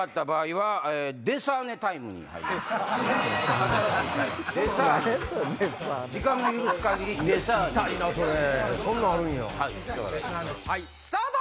はいスタート！